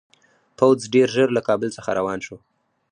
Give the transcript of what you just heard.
پوځ ډېر ژر له کابل څخه روان شو.